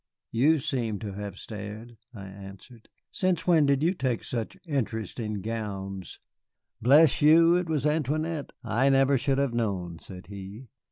"You seem to have stared," I answered. "Since when did you take such interest in gowns?" "Bless you, it was Antoinette. I never should have known," said he.